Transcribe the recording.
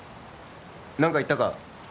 何か言ったか？